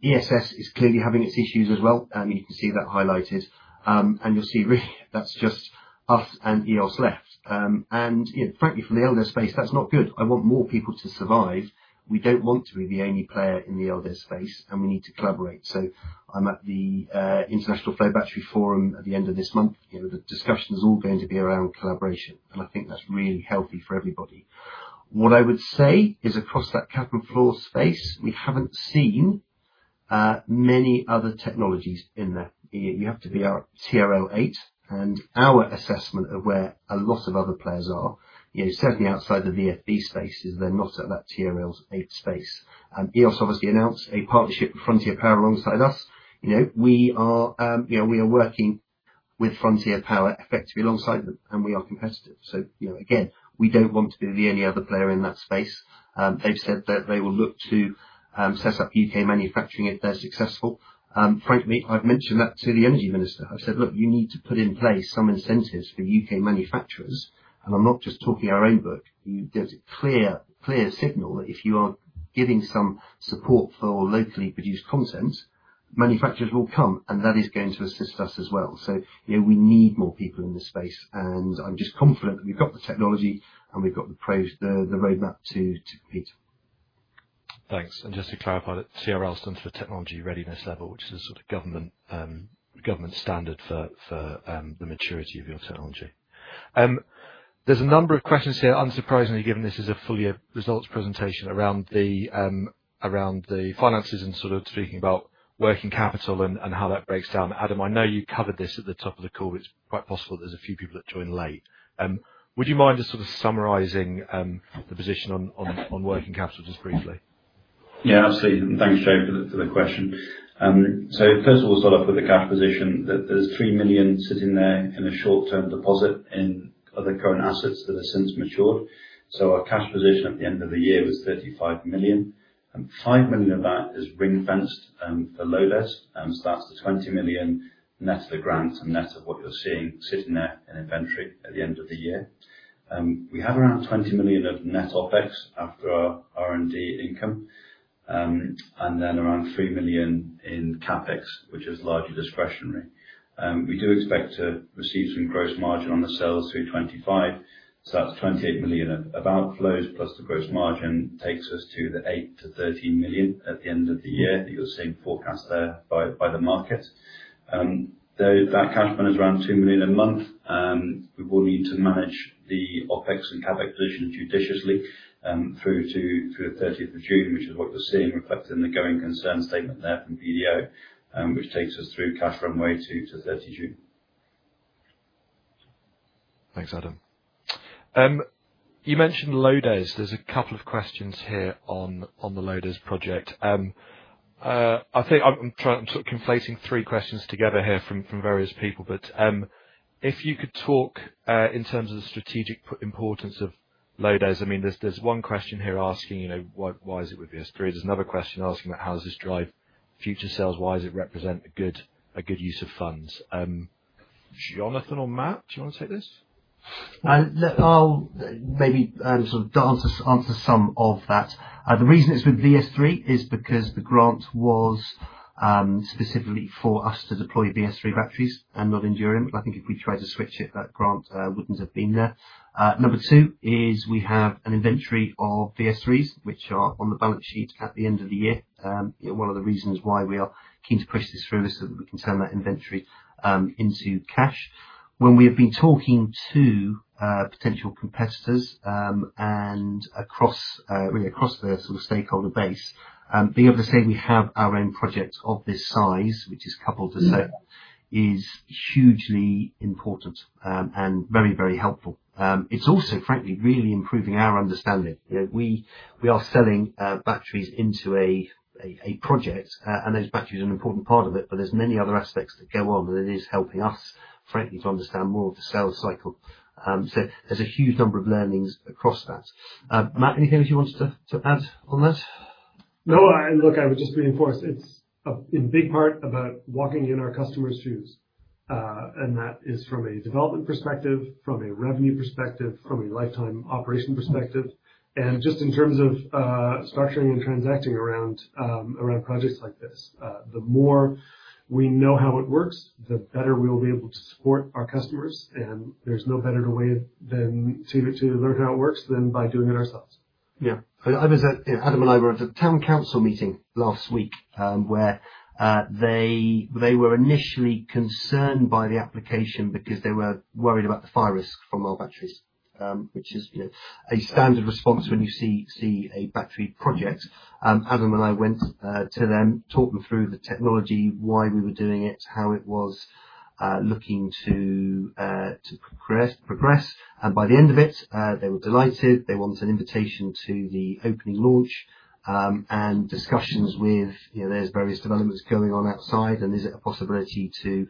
S2: ESS is clearly having its issues as well, and you can see that highlighted. You'll see that's just us and Eos left. Frankly, from the LDES space, that's not good. I want more people to survive. We don't want to be the only player in the LDES space, and we need to collaborate. I'm at the International Flow Battery Forum at the end of this month. Discussion's all going to be around collaboration, and I think that's really healthy for everybody. What I would say is across that Cap and Floor space, we haven't seen many other technologies in there. You have to be at TRL8, and our assessment of where a lot of other players are, certainly outside the VFB space, is they're not at that TRL8 space. Eos obviously announced a partnership with Frontier Power alongside us. We are working with Frontier Power effectively alongside them, and we are competitive. Again, we don't want to be the only other player in that space. They've said that they will look to set up U.K. manufacturing if they're successful. Frankly, I've mentioned that to the energy minister. I've said, "Look, you need to put in place some incentives for U.K. manufacturers." I'm not just talking our own book. There's a clear signal that if you are giving some support for locally produced content, manufacturers will come, and that is going to assist us as well. We need more people in this space, and I'm just confident that we've got the technology, and we've got the roadmap to compete.
S5: Thanks. Just to clarify that TRL stands for technology readiness level, which is a sort of government standard for the maturity of your technology. There's a number of questions here, unsurprisingly, given this is a full-year results presentation around the finances and speaking about working capital and how that breaks down. Adam, I know you covered this at the top of the call. It's quite possible there's a few people that joined late. Would you mind just sort of summarizing the position on working capital just briefly?
S3: Yeah, absolutely. Thanks, Shane, for the question. First of all, we'll start off with the cash position. There's 3 million sitting there in a short-term deposit in other current assets that have since matured. Our cash position at the end of the year was 35 million, and 5 million of that is ring-fenced for LDES. That's the 20 million net of the grant and net of what you're seeing sitting there in inventory at the end of the year. We have around 20 million of net OpEx after our R&D income, and then around 3 million in CapEx, which is largely discretionary. We do expect to receive some gross margin on the sales through 2025. That's 28 million of outflows, plus the gross margin takes us to the 8 million-13 million at the end of the year, that you're seeing forecast there by the market. That cash burn is around 2 million a month. We will need to manage the OpEx and CapEx position judiciously through to the 30th of June, which is what you're seeing reflected in the going concern statement there from BDO, which takes us through cash runway to 30 June.
S5: Thanks, Adam. You mentioned LDES. There's a couple of questions here on the LDES project. I think I'm conflating three questions together here from various people. If you could talk, in terms of the strategic importance of LDES. There's one question here asking why is it with VS3? There's another question asking about how does this drive future sales? Why does it represent a good use of funds? Jonathan or Matt, do you want to take this?
S2: I'll maybe answer some of that. The reason it's with VS3 is because the grant was specifically for us to deploy VS3 batteries and not ENDURIUM. I think if we tried to switch it, that grant wouldn't have been there. Number 2 is we have an inventory of VS3s, which are on the balance sheet at the end of the year. One of the reasons why we are keen to push this through is so that we can turn that inventory into cash. When we have been talking to potential competitors, really across the stakeholder base, being able to say we have our own project of this size, which is coupled to is hugely important and very helpful. It's also, frankly, really improving our understanding. We are selling batteries into a project, those batteries are an important part of it, there's many other aspects that go on that it is helping us, frankly, to understand more of the sales cycle. There's a huge number of learnings across that. Matt, anything that you wanted to add on that?
S4: No. Look, I would just reinforce, it's in big part about walking in our customers' shoes. That is from a development perspective, from a revenue perspective, from a lifetime operation perspective, and just in terms of structuring and transacting around projects like this. The more we know how it works, the better we'll be able to support our customers, there's no better way to learn how it works than by doing it ourselves.
S2: Yeah. Adam and I were at a town council meeting last week. Where they were initially concerned by the application because they were worried about the fire risk from our batteries, which is a standard response when you see a battery project. Adam and I went to them, talked them through the technology, why we were doing it, how it was looking to progress, by the end of it, they were delighted. They wanted an invitation to the opening launch, discussions with, there's various developments going on outside, is it a possibility to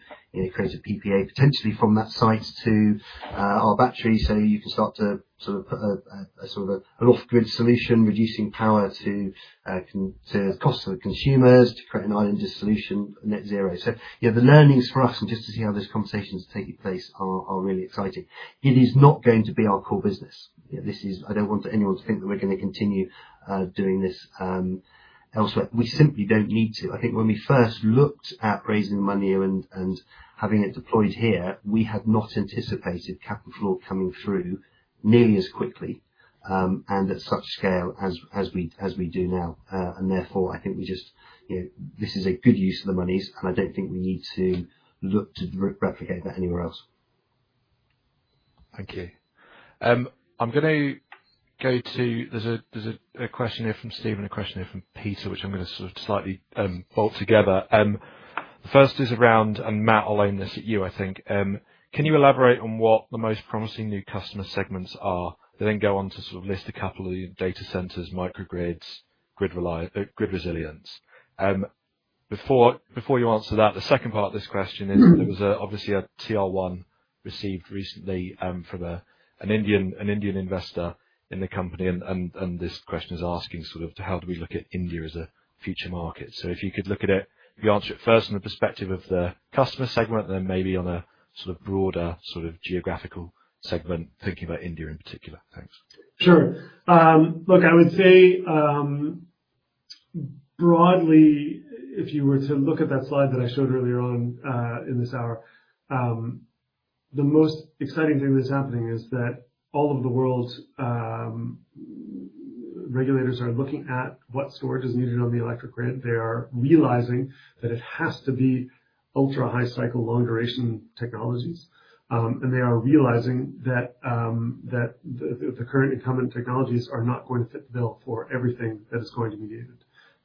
S2: create a PPA potentially from that site to our battery so you can start to put an off-grid solution, reducing power to cost to the consumers to create an island solution net zero. The learnings for us and just to see how those conversations are taking place are really exciting. It is not going to be our core business. I don't want anyone to think that we're going to continue doing this elsewhere. We simply don't need to. I think when we first looked at raising money and having it deployed here, we had not anticipated capital coming through nearly as quickly, and at such scale as we do now. Therefore, I think this is a good use of the monies, I don't think we need to look to replicate that anywhere else.
S5: Thank you. I'm going to go to, there's a question here from Steven, a question here from Peter, which I'm going to sort of slightly bolt together. First is around, and Matt, I'll aim this at you, I think. Can you elaborate on what the most promising new customer segments are? They go on to list a couple of data centers, microgrids, grid resilience. Before you answer that, the second part of this question is, there was obviously a TR1 received recently from an Indian investor in the company, this question is asking, how do we look at India as a future market? If you could look at it, if you answer it first from the perspective of the customer segment, then maybe on a broader geographical segment, thinking about India in particular. Thanks.
S4: Sure. Look, I would say, broadly, if you were to look at that slide that I showed earlier on in this hour, the most exciting thing that's happening is that all of the world's regulators are looking at what storage is needed on the electric grid. They are realizing that it has to be ultra-high cycle, long-duration technologies. They are realizing that the current incumbent technologies are not going to fit the bill for everything that is going to be needed.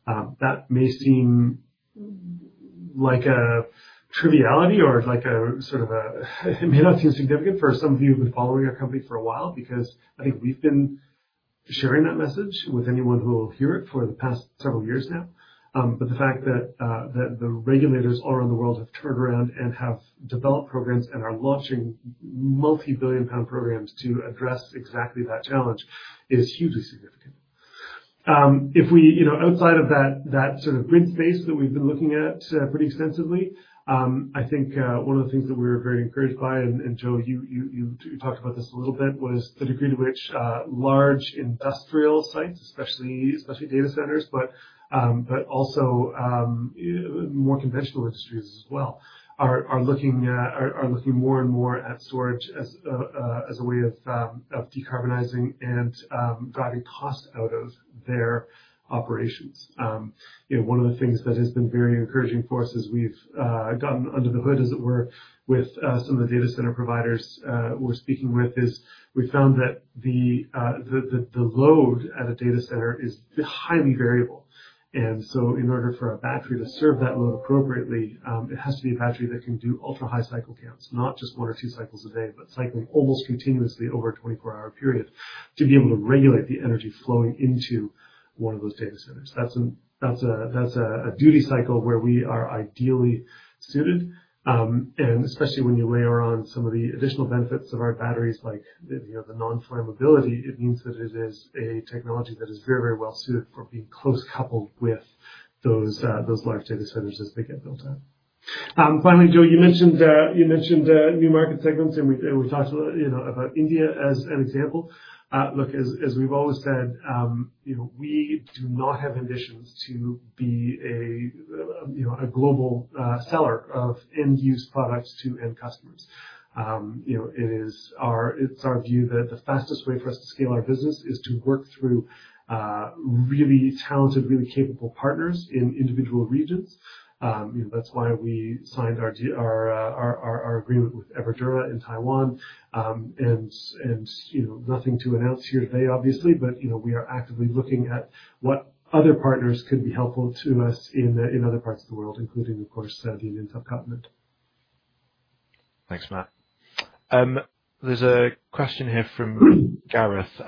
S4: That may seem like a triviality or it may not seem significant for some of you who've been following our company for a while, because I think we've been sharing that message with anyone who will hear it for the past several years now. The fact that the regulators all around the world have turned around and have developed programs and are launching multi-billion GBP programs to address exactly that challenge is hugely significant. Outside of that grid space that we've been looking at pretty extensively, I think one of the things that we're very encouraged by, Joe, you talked about this a little bit, was the degree to which large industrial sites, especially data centers, but also more conventional industries as well, are looking more and more at storage as a way of decarbonizing and driving costs out of their operations. One of the things that has been very encouraging for us as we've gotten under the hood, as it were, with some of the data center providers we're speaking with, is we found that the load at a data center is highly variable. In order for a battery to serve that load appropriately, it has to be a battery that can do ultra high cycle counts. Not just one or two cycles a day, but cycling almost continuously over a 24-hour period to be able to regulate the energy flowing into one of those data centers. That's a duty cycle where we are ideally suited, and especially when you layer on some of the additional benefits of our batteries like the non-flammability, it means that it is a technology that is very well suited for being close coupled with those large data centers as they get built out. Finally, Joe, you mentioned new market segments, we talked about India as an example. Look, as we've always said, we do not have ambitions to be a global seller of end-use products to end customers. It's our view that the fastest way for us to scale our business is to work through really talented, really capable partners in individual regions. That's why we signed our agreement with Everdura in Taiwan. Nothing to announce here today, obviously, but we are actively looking at what other partners could be helpful to us in other parts of the world, including, of course, the Indian subcontinent.
S5: Thanks, Matt. There's a question here from Gareth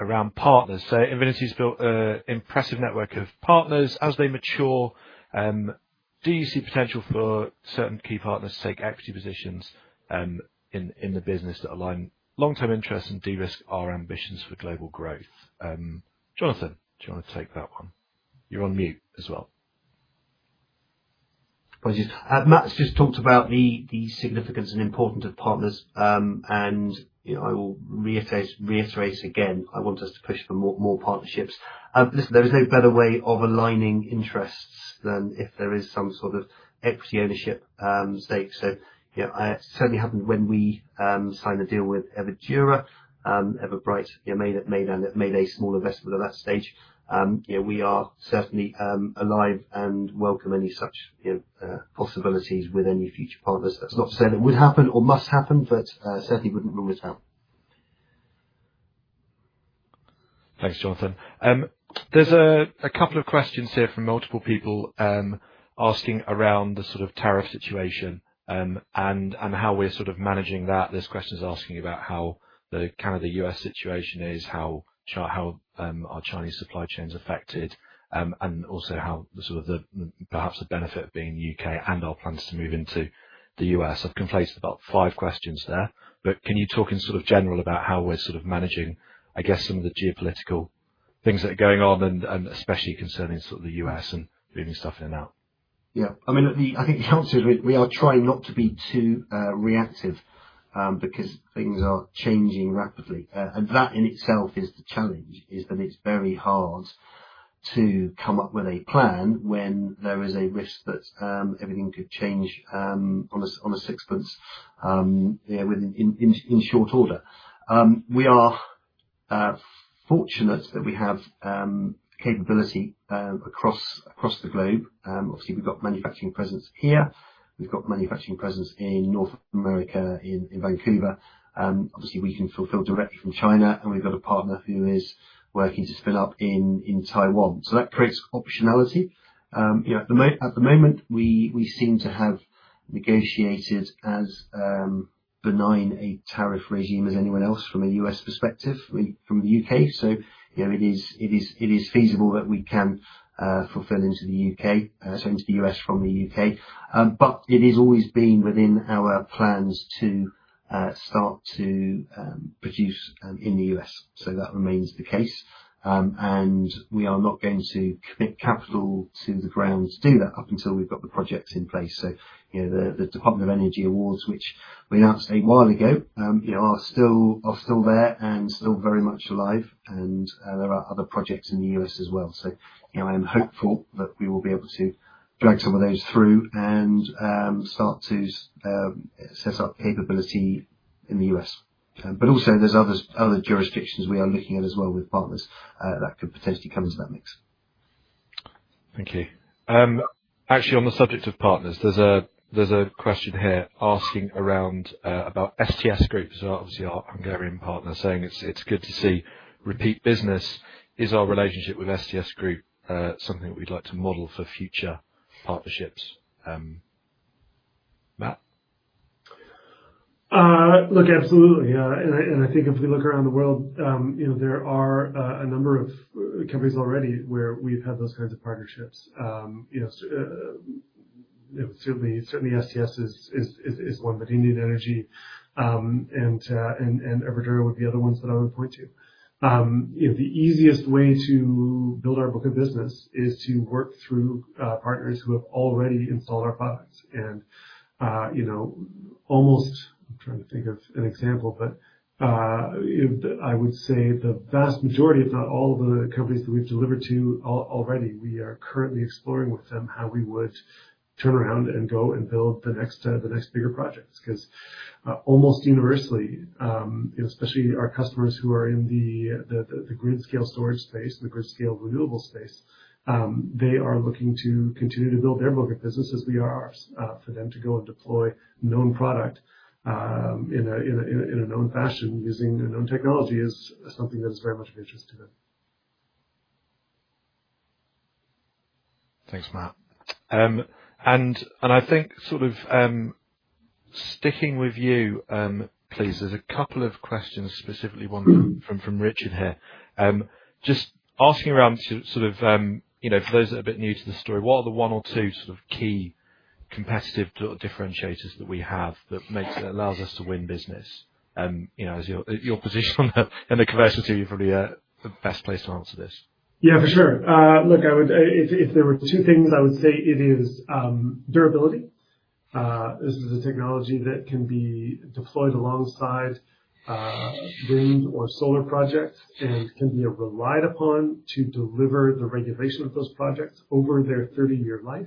S5: around partners. Invinity's built an impressive network of partners. As they mature, do you see potential for certain key partners to take equity positions in the business that align long-term interests and de-risk our ambitions for global growth? Jonathan, do you want to take that one? You're on mute as well.
S2: Apologies. Matt's just talked about the significance and importance of partners, I will reiterate again, I want us to push for more partnerships. Listen, there is no better way of aligning interests than if there is some sort of equity ownership stake. It certainly happened when we signed a deal with Everdura. Everbrite made a small investment at that stage. We are certainly alive and welcome any such possibilities with any future partners. That's not to say it would happen or must happen, certainly wouldn't rule it out.
S5: Thanks, Jonathan. There's a couple of questions here from multiple people asking around the tariff situation and how we're managing that. This question is asking about how the U.S. situation is, how our Chinese supply chain is affected, and also perhaps the benefit of being in the U.K. and our plans to move into the U.S. I've conflated about five questions there. Can you talk in general about how we're managing, I guess, some of the geopolitical things that are going on and especially concerning the U.S. and moving stuff in and out?
S2: Yeah. I think the answer is we are trying not to be too reactive because things are changing rapidly. That in itself is the challenge, is that it's very hard to come up with a plan when there is a risk that everything could change on a sixpence, in short order. We are fortunate that we have capability across the globe. Obviously, we've got manufacturing presence here. We've got manufacturing presence in North America, in Vancouver. Obviously, we can fulfill directly from China, and we've got a partner who is working to spin up in Taiwan. That creates optionality. At the moment, we seem to have negotiated as benign a tariff regime as anyone else from a U.S. perspective, from the U.K. It is feasible that we can fulfill into the U.K., sorry, into the U.S. from the U.K. It has always been within our plans to start to produce in the U.S., so that remains the case. We are not going to commit capital to the ground to do that up until we've got the projects in place. The Department of Energy Awards, which we announced a while ago, are still there and still very much alive. There are other projects in the U.S. as well. I am hopeful that we will be able to drag some of those through and start to set up capability in the U.S. Also there's other jurisdictions we are looking at as well with partners, that could potentially come into that mix.
S5: Thank you. Actually, on the subject of partners, there's a question here asking around about STS Group. Obviously our Hungarian partner saying it's good to see repeat business. Is our relationship with STS Group something that we'd like to model for future partnerships? Matt?
S4: Look, absolutely. I think if we look around the world, there are a number of companies already where we've had those kinds of partnerships. Certainly STS is one, but Indian Energy, and Everdura would be other ones that I would point to. The easiest way to build our book of business is to work through partners who have already installed our products and almost I'm trying to think of an example. I would say the vast majority, if not all of the companies that we've delivered to already, we are currently exploring with them how we would turn around and go and build the next bigger projects. Almost universally, especially our customers who are in the grid scale storage space, the grid scale renewable space, they are looking to continue to build their book of business as we are ours. For them to go and deploy known product in a known fashion using a known technology is something that is very much of interest to them.
S5: Thanks, Matt. I think, sticking with you, please, there's a couple of questions, specifically one from Richard here. Just asking around to, for those that are a bit new to the story, what are the one or two key competitive differentiators that we have that allows us to win business? As your position in the conversation, you're probably the best place to answer this.
S4: Yeah, for sure. Look, if there were two things, I would say it is durability. This is a technology that can be deployed alongside wind or solar projects and can be relied upon to deliver the regulation of those projects over their 30-year life.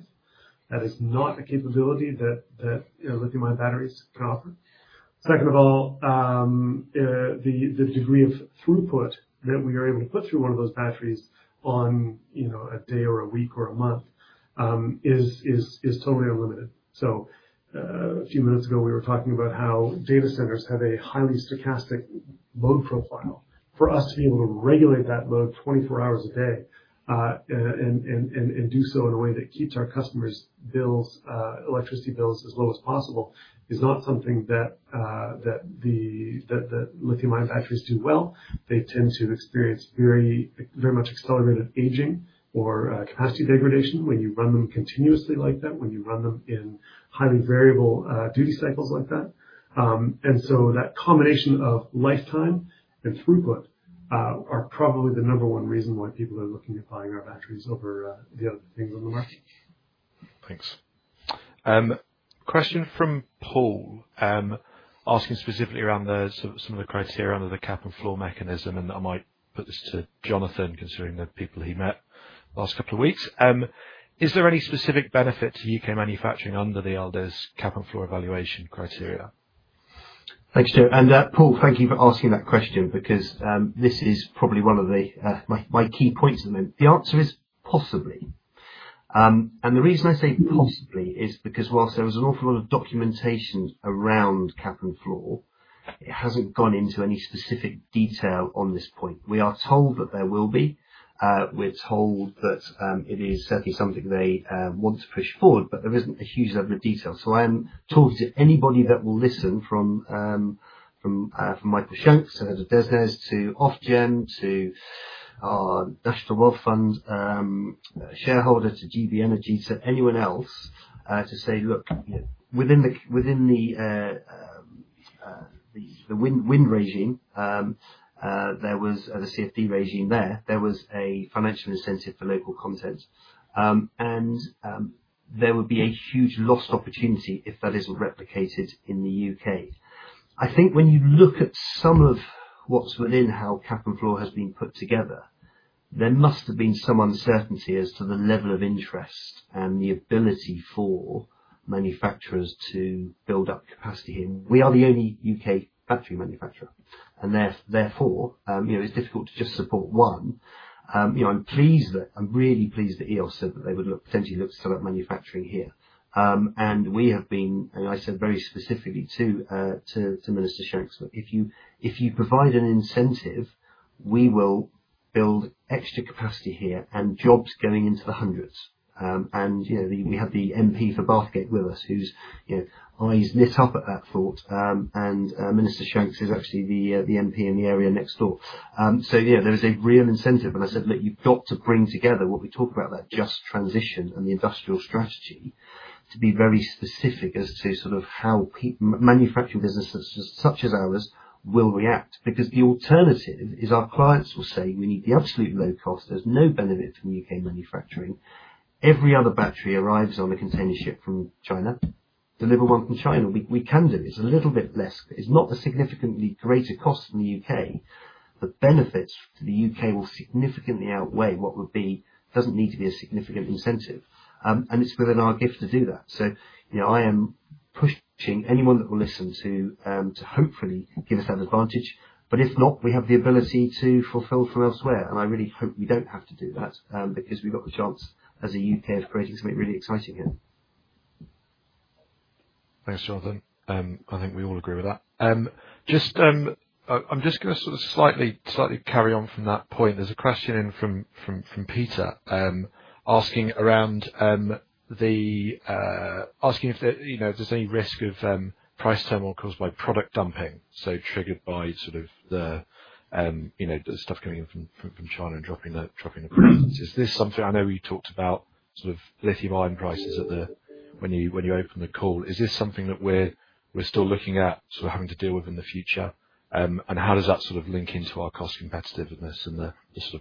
S4: That is not a capability that lithium-ion batteries can offer. Second of all, the degree of throughput that we are able to put through one of those batteries on a day or a week or a month, is totally unlimited. A few minutes ago, we were talking about how data centers have a highly stochastic load profile. For us to be able to regulate that load 24 hours a day, and do so in a way that keeps our customers' electricity bills as low as possible is not something that lithium-ion batteries do well. They tend to experience very much accelerated aging or capacity degradation when you run them continuously like that, when you run them in highly variable duty cycles like that. That combination of lifetime and throughput are probably the number one reason why people are looking at buying our batteries over the other things on the market.
S5: Thanks. Question from Paul, asking specifically around some of the criteria under the Cap and Floor mechanism, I might put this to Jonathan, considering the people he met last couple of weeks. Is there any specific benefit to U.K. manufacturing under the Alders Cap and Floor evaluation criteria?
S2: Thanks, Joe, Paul, thank you for asking that question because, this is probably one of my key points at the moment. The answer is possibly. The reason I say possibly is because whilst there is an awful lot of documentation around Cap and Floor, it hasn't gone into any specific detail on this point. We are told that there will be, we're told that it is certainly something they want to push forward, but there isn't a huge level of detail. I am talking to anybody that will listen from Michael Shanks, Head of DESNZ, to Ofgem, to our National Wealth Fund shareholder, to GB Energy, to anyone else, to say, look, within the wind regime, there was the CFD regime there. There was a financial incentive for local content. There would be a huge lost opportunity if that isn't replicated in the U.K. I think when you look at some of what's within how Cap and Floor has been put together, there must have been some uncertainty as to the level of interest and the ability for manufacturers to build up capacity here. We are the only U.K. battery manufacturer, therefore, it's difficult to just support one. I'm really pleased that EOS said that they would potentially look to set up manufacturing here. We have been, I said very specifically to Minister Shanks, "Look, if you provide an incentive, we will build extra capacity here and jobs going into the hundreds. We have the MP for Bathgate with us, whose eyes lit up at that thought, and Minister Shanks is actually the MP in the area next door. Yeah, there is a real incentive and I said: "Look, you've got to bring together what we talk about, that just transition and the industrial strategy, to be very specific as to how manufacturing businesses such as ours will react." Because the alternative is our clients will say, we need the absolute low cost. There's no benefit from U.K. manufacturing. Every other battery arrives on a container ship from China, deliver one from China. We can do it. It's a little bit less. It's not a significantly greater cost than the U.K. The benefits to the U.K. will significantly outweigh what would be. Doesn't need to be a significant incentive. It's within our gift to do that. I am pushing anyone that will listen to hopefully give us that advantage. If not, we have the ability to fulfill from elsewhere, and I really hope we don't have to do that because we've got the chance as a U.K. of creating something really exciting here.
S5: Thanks, Jonathan. I think we all agree with that. I'm just going to slightly carry on from that point. There's a question in from Peter, asking if there's any risk of price turmoil caused by product dumping, so triggered by the stuff coming in from China and dropping the prices. I know you talked about lithium ion prices when you opened the call. Is this something that we're still looking at, so we're having to deal with in the future? How does that link into our cost competitiveness and the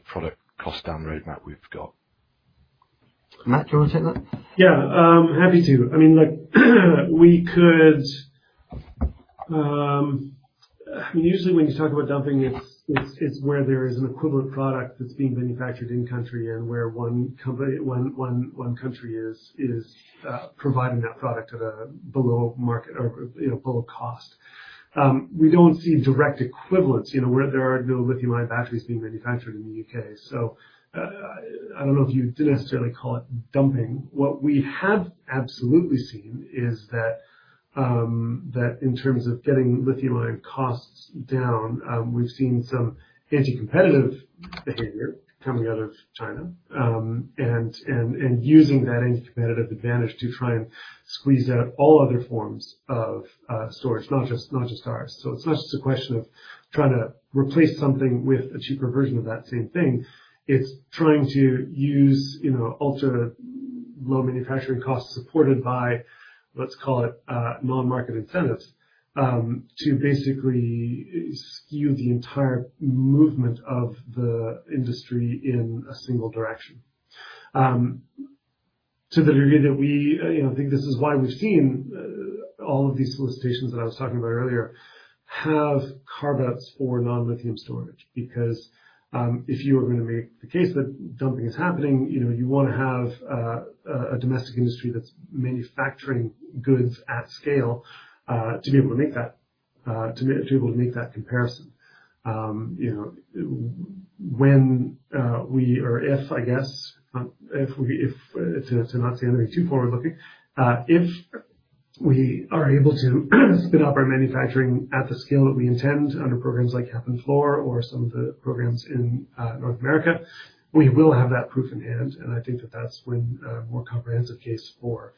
S5: product cost down roadmap we've got?
S2: Matt, do you want to take that?
S4: Yeah. Happy to. Usually, when you talk about dumping, it's where there is an equivalent product that's being manufactured in country, and where one country is providing that product at below cost. We don't see direct equivalents where there are no lithium ion batteries being manufactured in the U.K. I don't know if you'd necessarily call it dumping. What we have absolutely seen is that, in terms of getting lithium ion costs down, we've seen some anti-competitive behavior coming out of China, and using that anti-competitive advantage to try and squeeze out all other forms of storage, not just ours. It's not just a question of trying to replace something with a cheaper version of that same thing. It's trying to use ultra low manufacturing costs supported by, let's call it, non-market incentives, to basically skew the entire movement of the industry in a single direction. To the degree that we think this is why we've seen all of these solicitations that I was talking about earlier have carve-outs for non-lithium storage. If you are going to make the case that dumping is happening, you want to have a domestic industry that's manufacturing goods at scale, to be able to make that comparison. When we, or if, I guess, to not say anything too forward-looking, if we are able to spin up our manufacturing at the scale that we intend under programs like Cap and Floor or some of the programs in North America, we will have that proof in hand, and I think that that's when a more comprehensive case for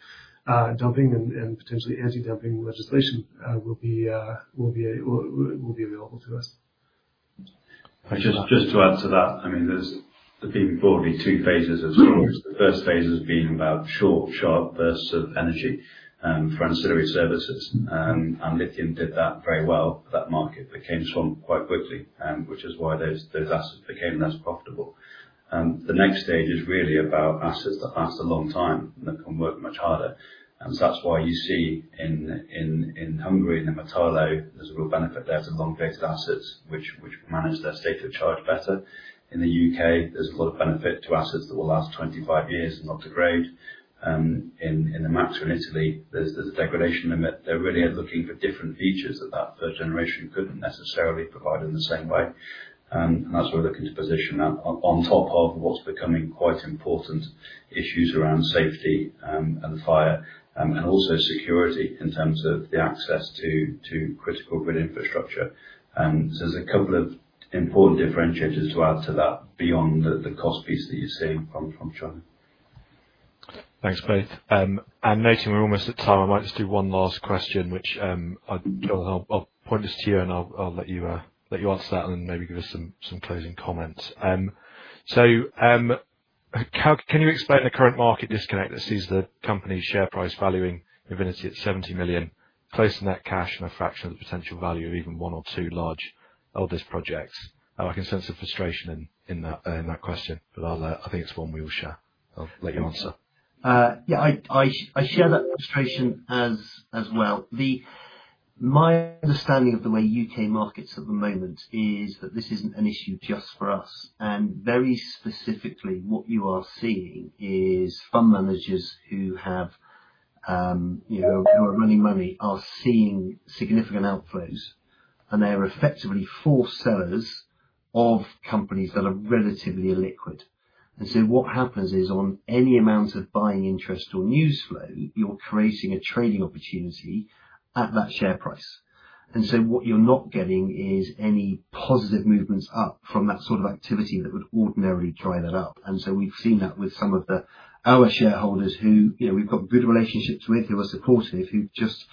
S4: dumping and potentially anti-dumping legislation will be available to us.
S3: Just to add to that, there's been broadly two phases of storage. The first phase has been about short, sharp bursts of energy for ancillary services. Lithium did that very well. That market became strong quite quickly, which is why those assets became less profitable. The next stage is really about assets that last a long time and that can work much harder. That's why you see in Hungary, in the MACSE, there's a real benefit there to long-dated assets which manage their state of charge better. In the U.K., there's a lot of benefit to assets that will last 25 years and not degrade. In the MACSE in Italy, there's a degradation limit. They really are looking for different features that that first generation couldn't necessarily provide in the same way. That's where we're looking to position that on top of what's becoming quite important issues around safety and fire, and also security in terms of the access to critical grid infrastructure. There's a couple of important differentiators to add to that beyond the cost piece that you're seeing from China.
S5: Thanks, both. I'm noting we're almost at time. I might just do one last question, which, Jon, I'll point this to you, and I'll let you answer that and maybe give us some closing comments. Can you explain the current market disconnect that sees the company's share price valuing Invinity at 70 million, close to net cash and a fraction of the potential value of even one or two large LDES projects? I can sense the frustration in that question, I think it's one we all share. I'll let you answer.
S2: My understanding of the way U.K. markets at the moment is that this isn't an issue just for us. Very specifically, what you are seeing is fund managers who are lending money are seeing significant outflows, and they are effectively forced sellers of companies that are relatively illiquid. What happens is on any amount of buying interest or news flow, you're creating a trading opportunity at that share price. What you're not getting is any positive movements up from that sort of activity that would ordinarily drive it up. We've seen that with some of our shareholders who we've got good relationships with, who are supportive, who've just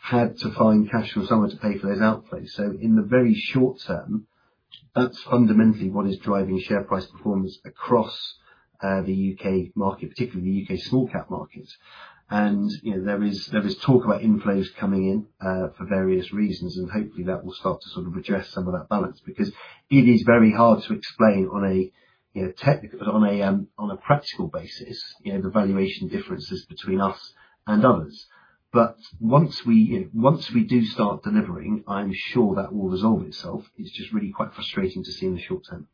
S2: had to find cash from somewhere to pay for those outlays. In the very short term, that's fundamentally what is driving share price performance across the U.K. market, particularly the U.K. small cap market. There is talk about inflows coming in for various reasons, and hopefully that will start to sort of address some of that balance because it is very hard to explain on a practical basis, the valuation differences between us and others. But once we do start delivering, I'm sure that will resolve itself. It's just really quite frustrating to see in the short term.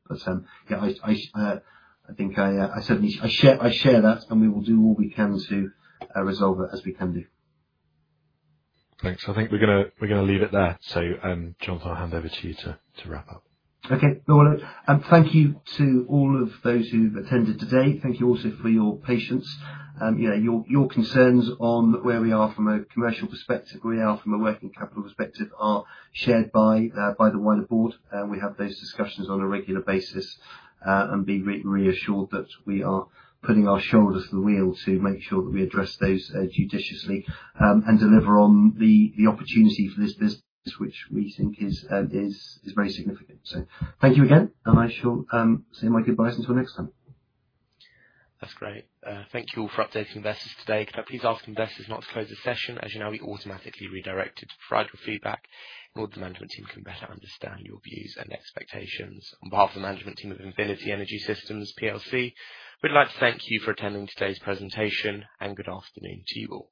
S2: I think I certainly share that, and we will do what we can to resolve it as we can do.
S5: Thanks. Jonathan, I'll hand over to you to wrap up.
S2: Okay. No worries. Thank you to all of those who've attended today. Thank you also for your patience. Your concerns on where we are from a commercial perspective, where we are from a working capital perspective are shared by the wider board, and we have those discussions on a regular basis. Be reassured that we are putting our shoulder to the wheel to make sure that we address those judiciously, and deliver on the opportunity for this business which we think is very significant. Thank you again, and I shall say my goodbyes until next time.
S1: That's great. Thank you all for updating investors today. Could I please ask investors not to close the session. As you know, we automatically redirect it to provide your feedback so the management team can better understand your views and expectations. On behalf of the management team of Invinity Energy Systems PLC, we'd like to thank you for attending today's presentation, and good afternoon to you all.